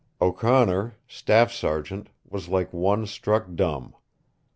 O'Connor, staff sergeant, was like one struck dumb.